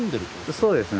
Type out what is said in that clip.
そうなんですね。